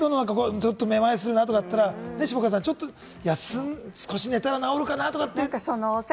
ある程度、めまいするなとかだったら、下川さん、少し寝たら治るかなとか。